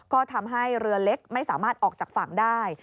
ก็ทำให้เรือเล็กไม่สามารถออกจากฝั่งได้